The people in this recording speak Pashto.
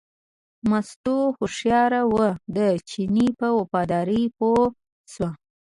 مستو هوښیاره وه، د چیني په وفادارۍ پوه شوه.